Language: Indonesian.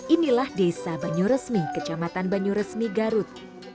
inilah desa banyoresmi kecamatan banyoresmi garut